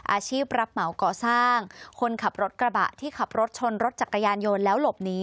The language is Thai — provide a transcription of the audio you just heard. อาชีพรับเหมาก่อสร้างคนขับรถกระบะที่ขับรถชนรถจักรยานยนต์แล้วหลบหนี